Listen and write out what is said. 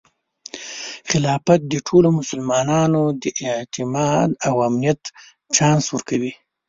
خلافت د ټولو مسلمانانو د اعتماد او امنیت چانس ورکوي.